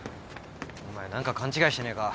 お前何か勘違いしてねえか？